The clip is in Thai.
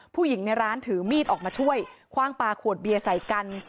ผู้หญิงในร้านถือมีดออกมาช่วยคว่างปลาขวดเบียร์ใส่กัน